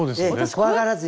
怖がらずに。